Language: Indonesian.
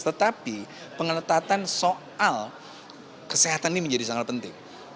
tetapi pengetatan soal kesehatan ini menjadi sangat penting